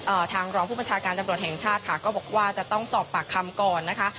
ทางรองผู้บัญชาการตำรวจแห่งชาติค่ะก็บอกว่าจะต้องสอบปากคำก่อนนะคะ